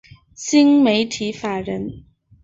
新媒体法人